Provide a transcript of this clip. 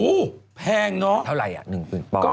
โอ้โหแพงเนอะเท่าไรอะ๑หมื่นปอน